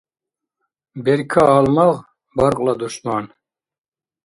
Берка — гьалмагъ, баркьла — душман.